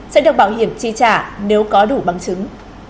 sẽ được bảo hiểm chi trả nếu có đủ bằng chứng